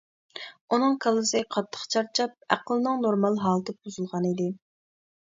ئۇنىڭ كاللىسى قاتتىق چارچاپ، ئەقلىنىڭ نورمال ھالىتى بۇزۇلغانىدى.